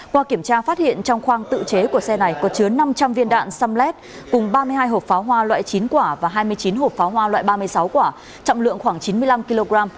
qua kiểm tra phát hiện trong khoang tự chế của xe này có chứa năm trăm linh viên đạn samlet cùng ba mươi hai hộp pháo hoa loại chín quả và hai mươi chín hộp pháo hoa loại ba mươi sáu quả trọng lượng khoảng chín mươi năm kg